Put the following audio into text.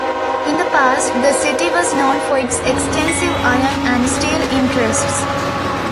In the past, the city was known for its extensive iron and steel interests.